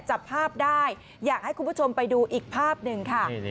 จับภาพได้อยากให้คุณผู้ชมไปดูอีกภาพหนึ่งค่ะ